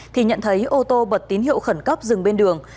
thì nhận thấy ô tô bật tín hiệu khẩn cấp dừng bên đường